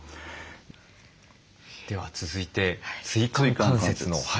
では続いて椎間関節の。